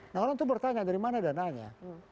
nah orang itu bertanya dari mana dananya